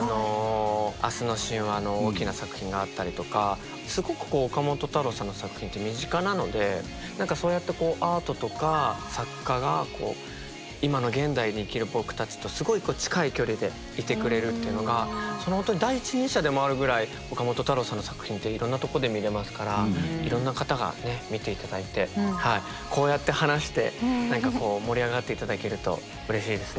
「明日の神話」の大きな作品があったりとかすごく岡本太郎さんの作品って身近なので何かそうやってアートとか作家が今の現代に生きる僕たちとすごい近い距離でいてくれるっていうのがそのほんとに第一人者でもあるぐらい岡本太郎さんの作品っていろんなところで見れますからいろんな方が見て頂いてこうやって話して何かこう盛り上がって頂けるとうれしいですね。